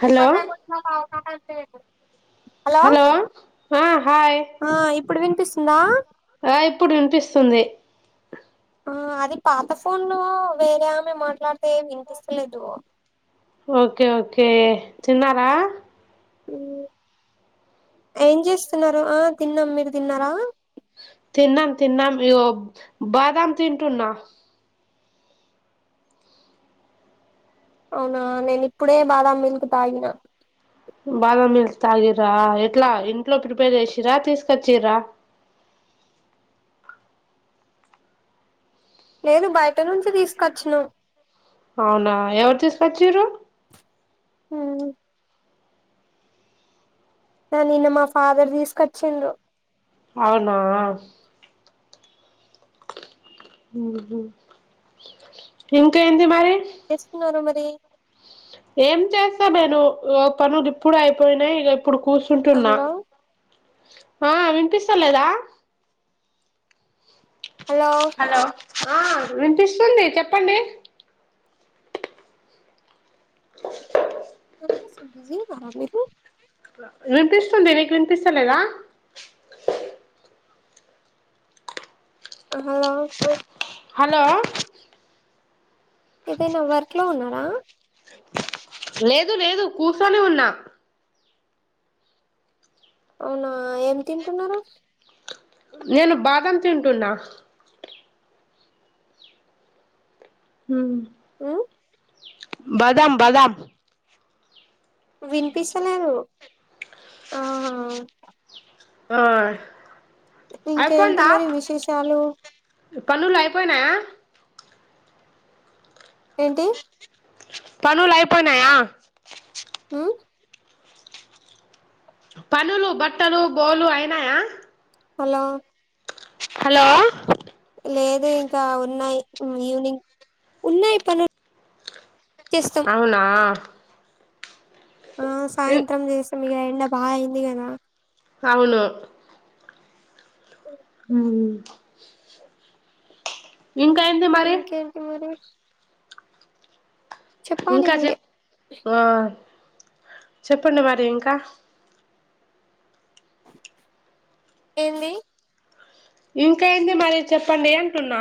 Hello ప hello ఆ hi ఆ ఇప్పుడు వినిపిస్తుంద ఆ ఇప్పుడు వినిపిస్తుంది ఆ అది పాత ఫోన్లు వేరే ఆమె మాట్లాడితే వినిపిస్తలేదు ఓకే ఓకే తిన్నారా ఏం చేస్తున్నారు ఆ తిన్నాం మీరు తిన్నారా తిన్నాం తిన్నాం అయ్యో బాదం తింటున్నా అవునా నేను ఇప్పుడే బాదాం మీకు తాగిన బాదామిల్క్ తాగిరా ఎట్లా ఇంట్లో ప్రిపేర్ చేసరా తీసుకొచ్చరా నేను బయట నుంచి తీసుకొచ్చను అవునా ఎవరు తీసుకొచ్చరు హ నిన్న మా ఫాదర్ తీసుకొచ్చిండ్రు అవునా ఇంకా ఎంత మరి ఇస్తున్నారు మరి ఏం చేస్తా నేను పనులు ఇప్పుడు అయిపోయినాయి ఇప్పుడు కూర్చుంటున్నా హలో ఆ వినిపిస్త లేదా హలో ఆ వినిపిస్తుంది చెప్పండి అ సబజ బరాబ వినిపిస్తుంది నీకు వినిపిస్తలేదా హలో హలో ఏదైనా వర్క్ లో ఉన్నారా లేదు లేదు కూర్చొని ఉన్నా అవునా ఏం తింటున్నారా నేను బాదం తింటున్నా హ ఆ బదమ్ బాదమ్ వినిపిించలేరు ఆహా ఆ ఇంకేంటి మరి విశేషాలు పనుులు అయిపోయినాయా ఏంటి పనుూల్ అయిపోయినాయా ఉమ్ పనులు బట్టలు బోలు అయినాయా హలో హలో లేదు ఇంకా ఉన్నాయి ఈవినింగ్ ఉన్నాయి పను అవునా ఆ సాయంత్రం చేస్తాం మీక ఎండ బాగా అయింది కదా అవును హ ఇంకాంటి మరి చెప్పాలి ఇంకా చె మీరే ఆ చెప్పండి మరి ఇంకా హిందీ ఇంకేంటి మరి చెప్పండి అంటున్నా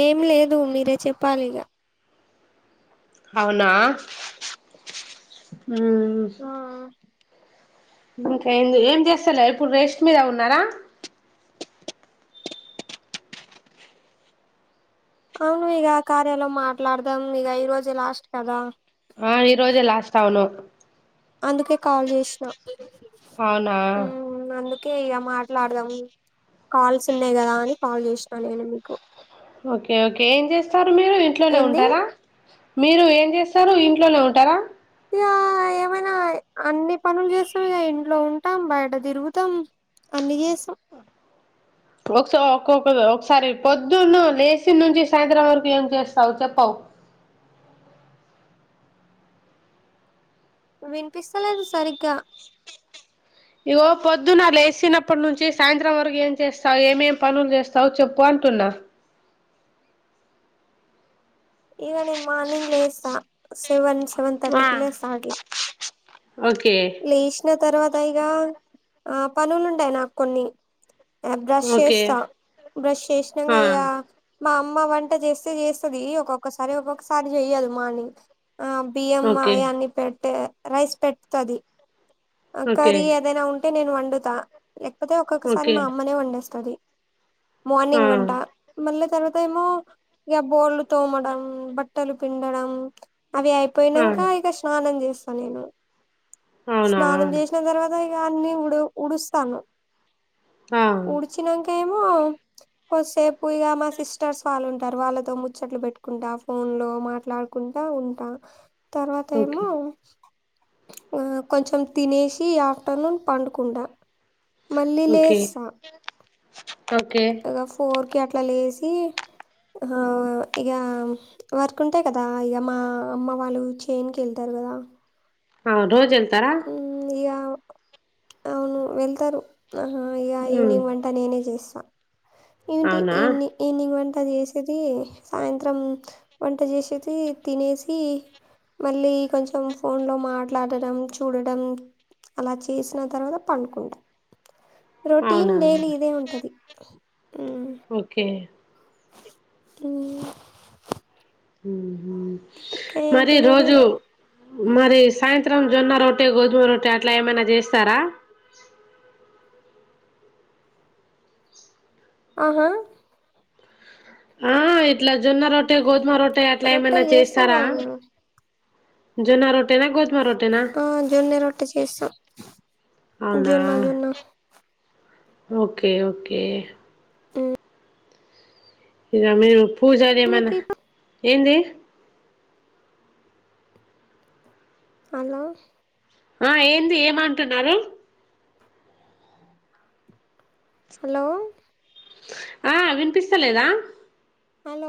ఏం లేదు మీరే చెప్పాలిగా అవునా హ్మ్ ఆ ఇంకా ఏంది ఏం చేస్తలే ఇప్పుడు రేస్ట్ మీద ఉన్నారా అవును ఇగ కార్యాలో మాట్లాడదాం ఇగ ఈరోజే లాస్ట్ కదా ఆ ఈరోజే లాస్ట్ అవును అందుకే కాల్ చేసిన అవునా కే ఇగ మాట్లాడదాం కాల్స్ ఉన్నాయి కదా అని కాల్ చేసినా నేను మీకు ఓకే ఓకే ఏం చేస్తారు మీరు ఇంట్లోనే ఏంది ఉంటారా మీరు ఏం చే స్తారు ఇంట్లోనే ఉంటారా ఇగ ఏమైనా అన్ని పనులు చేస్తాం ఇగ ఇంట్లో ఉంటాం బయట తిరుగుతాం అన్ని చేస్తాం ఒకసొ ఒక్కొక్క ఒకసారి పొద్దున్న లేసినుంచి సాయంత్రం వరకు ఏం చేస్తావు చెప్పవ్ వినిపిస్తలేదు సరిగ్గా ఇగో పొద్దున లేసినప్పటి నుంచి సాయంత్రం వరకు ఏం చేస్తావు ఏమేం పనులు చేస్తావు చెప్పు అం టున్నా ఇగ నేను మార్నింగ్ లేస్త సెవెన్ సెవెన్ ఆ థర్టీకిి లేస్తా అట్లా ఓకే లేశిన తర్వాత యిగా ఆ పనులు ఉంటాయి నాక్ కొన్ని బ్రష్ ఓకే చేస్తా బ్రష్ చేసినంక ఆ ఇగ మా అమ్మ వంట చేస్తే చేస్తాది ఒక్కొక్కసారి ఒక్కొక్కసారి చెయ్యదు మార్నింగ్ ఆ బియ్యం ఓకే అయాన్ని పెట్టే రైస్ పెట్తాది ఓకే కర్రీ ఏదైనా ఉంటే నేను వండుతా లేకపోతే ఒక్కొక్కసారి ఓకే మా అమ్మనే వండేస్తాది ఆ మార్నింగ్ వంట మళ్ళ తర్వ తేమో ఇగ బోళ్ళు తోమడం బట్టలు పిండడం అవి అయిపోయినంక ఆ ఇక స్నానం చేస్తా నేను అవునా స్నానం చేసిన తర్వాత ఇగ అన్ని ఉడు ఉడుస్తాను ఆ ఉడ్చినంకే మో కొద్సేపు ఇగ మా సిస్టర్స్ వాళ్ళు ఉం టారు వాళ్లతో ముచ్చట్లు పెట్టుకుంటా ఫోన్ లో మాట్లాడుకుంటా ఉంటా తర్వాత ఓకే ఏమో కొంచెం తినేసి ఆఫ్టర్నూన్ పడుకుంట మళ్ళి ఓకే లేసా ఓకే ఇగ ఫోర్ కి అట్లా లేసి ఇగ వర్క్ ఉంటాయ్ కదా ఇగ మా అమ్మ వాళ్ళు చేనుకెళ్తారు కదా ఆ రోజు అంత హ్మ్ ఇగ అవును వెళ్తారు ఇగ హ్మ్ ఈవినింగ్ వంట నేనే చేస్తా ఇంటి అవునా ఇని ఈవినింగ్ వం ట చేసేది సాయంత్రం వంట చేసేది తినేసి మళ్ళీ కొంచెం ఫోన్ లో మాట్లాడడం చూడడం అలా చేసిన తర్వాత పండుకుంటా రొటీన్ అవునా డైలీ ఇదే ఉంటది హ్మ్. ఓకే హ్మ్ హు మరి ఈరోజు మరి సాయంత్రం జొన్నరొట్టె గోధుమరొట్టె అట్లా ఏమైనా చేస్తారా ఆహా ఆ ఇట్లా జొన్నరొట్టె గోధుమరొట్టె అట్లా ఏమైనా రొట్టెలు చేస్తాం చేస్తారా గదా! మేము. జొన్నరోట్ ఆ జొన్న రొట్టె చేస్తాం అవునా జొన్న జొన్న ఓకే ఓకే ఇగ మీరు పూజలు ఏమైనా మీకు ఇప్పు ఏంది హలో ఆ ఏంది ఏమంటున్నారు హలో ఆ వినిపిస్తలేదా హలో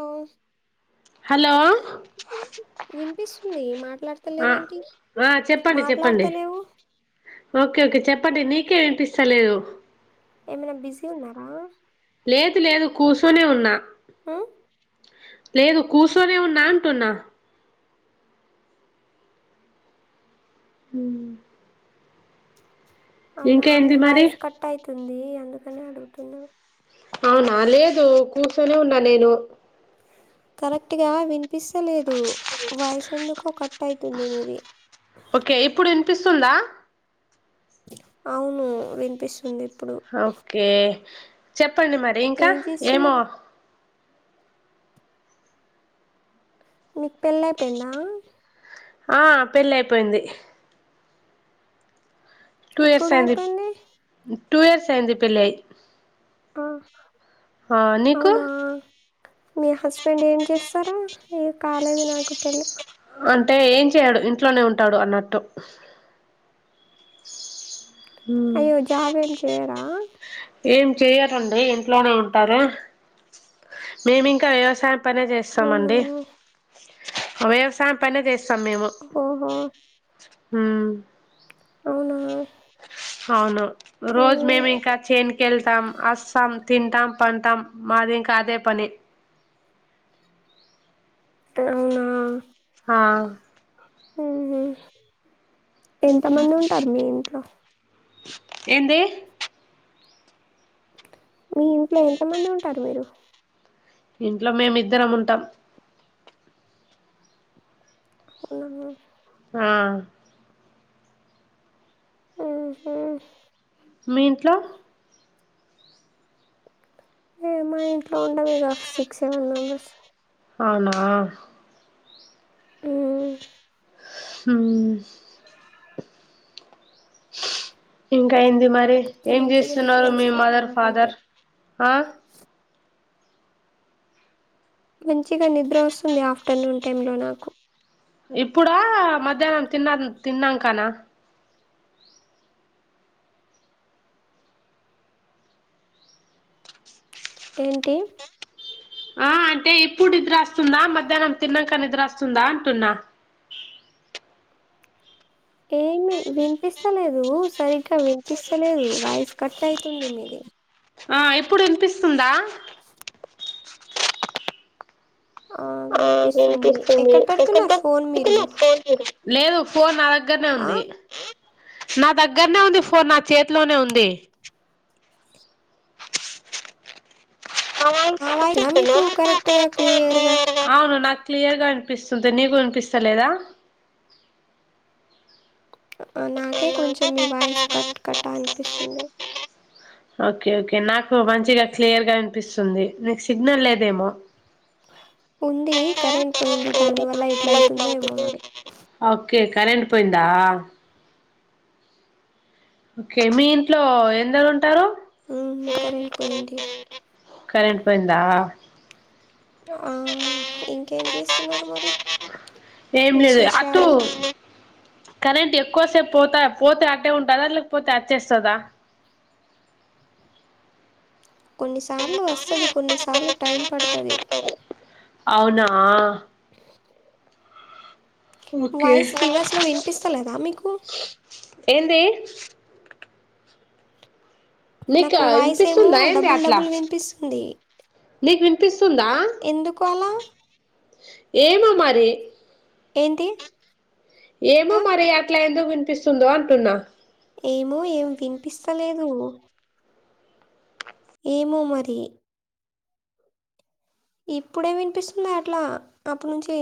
హలో వినిపిస్తుంది ఆ మాట్లాడతలేరేంటి ఆ చెప్పండి చెప్పండి మాట్లాడతలేవు ఓకే ఓకే చెప్పండి నీకే వినిపిస్తలేదు ఏమైనా బిజీ ఉన్నారా లేదు లేదు కూర్చొనే ఉన్నా ఆ లేదు కూర్చొనే ఉన్నా అంటున్నా హ అవునా మీ మరి వాయిస్ కట్ అయితుంది అందుకని అడుగుతున్నా అవునా లేదు కూసోనే ఉన్నా నేను కరెక్ట్ గా వినిపిస్తలేదు వాయిస్ ఎందుకో కట్ అవుతుంది మీది ఓకే ఇప్పుడు వినిపిస్తుందా అవును వినిపిస్తుంది ఇప్పుడు ఓకే చెప్పండి మరి ఇంకా ఏం ఏమో చేస్తున్నారు మీకు పెళ్ళి అయిపోయిందా ఆ పెళ్ళి అయిపోయింది టూ ఇయర్స్ ఎప్పుడు అయింది అయిపోయింది టూ ఇయర్స్ అయింది పెళ్ళయ్యి ఆహా అవునా మీ హస్బెండ్ ఏం చేస్తరు అయ్యో కాలేదు నాకు పెళ్ళి అంటే ఏం చెయడు ఇంట్లోనే ఉంటడు అన్నట్టు ఉమ్ అయ్యో జాబ్ ఏం చేయరా ఏం చెయరండి ఇంట్లోనే ఉంటారు మేమింకా వ్యవసాయం పనే అవునా చేస్తమండి వ్యవసాయం పనే చేస్త స్తాం మేము ఓహో అవునా అవును రోజ మ్మ్. మేమింక చేన్ కెళ్తాం వస్తాం తింటాం పంటాం మాది ఇంకా అదే పని అవునా ఆ ఉహు ఎంత మంది ఉంటారు మీ ఇంట్లో ఏంది మీ ఇంట్లో ఎంత మంది ఉంటారు మీరు ఇంట్లో మేమిద్దరం ఉంటాం అవునా ఆ ఆ హ మీ ఇంట్లో ఏ మా ఇంట్లో ఉన్నం ఇక సిక్స్ సెవెన్ మెంబెర్స్ అవునా ఆ హ ఇంకా ఏంది మరి ఏం మంచిగా నిద్ర చేస్తున్నారు మీ వస్తుంది మదర్ నాకైతే ఫాదర్ ఆ మంచిగా నిద్ర వస్తుంది ఆఫ్టర్నూన్ టైం లో నాకు ఇప్పుడా మధ్యాహ్నం తిన్న తిన్నాంకానా ఏంటి ఆ అంటే ఇప్పుడు నిద్ర అస్తుందా మధ్యాహ్నం తిన్నాక నిద్రస్తుందా అంటున్నా ఏం వినిపిస్తలేదు సరిగ్గా వినిపిస్తలేదు వాయిస్ కట్ ఐతుంది మీది ఆ ఇప్పుడు వినిపిస్తుందా ఆ వినిపిస్తుంది ఎక్కడ పెడుతున్నారు విన్పియకోతే ఫోన్ నాకు మీరు ఫోన్ చై లేదు ఫోన్ నా దగ్గరనే ఆ ఉంది నా దగ్గరనే ఉంది ఫోన్ నా చేతిలోనే ఉంది ఆ నా వాయిసేనా వినిపిస్తుందా మీకు నీకు కరెక్ట్‌గా కరెక్ట్ గా క్లియర్‌గా? క్లియర్ గా అవును నాకు క్లియర్గా వినిపిస్తుంది నీకు వినిపిస్తలేదా నాకే కొంచెం నాకు మీ వాయిస్ వినపడలేదు కట్ కట్టా వినిపిస్తుంది ఓకే ఓకే నాకు మంచిగా క్లియర్గా వినిపిస్తుంది నీకు సిగ్నల్ లేదేమో ఉంది కరెంట్ పోయింది. దానివల్ల ఇట్లా అయితుందో ఏమో మరి. [inaudible] ఓకే కరెంట్ పోయిందా ఓకే మీ ఇంట్లో ఎందరు ఉంటారు ఉ కరెంట్ పోయింది కరెంట్ పోయిందా ఆ ఇంకేం చేస్తున్నారు మరి ఏం లేదు అటు విశేషాలు? కరెంట్ ఎక్కువసేపు పోతా పోతే అటే ఉంటాదా లేకపోతే వచ్చేస్తదా కొన్నిసార్లు వస్తది కొన్నిసార్లు టైం పడతది అవునా ఓకే వాయిస్ రివర్స్ లో వినిపిస్తాలేదా మీకు ఏంది నీకా నాకు వాయిసేమో వినిపిస్తుందా ఏంది డబుల్ అట్లా డబుల్ వినిపిస్తుంది తుందా ఎందుకు అలా? ఏమో మరి ఏంటి ఏమో ఆ! మరి అట్లా ఎందుకువినిపిస్తుందో అంటున్నా ఏమో ఏం వినిపిస్తలేదు ఏమో మరి ఇప్పుడే వినిపిస్తుంది అట్లా అప్పుడు నుంచి